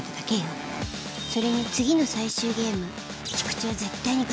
それに次の最終ゲーム菊地は絶対に勝てる。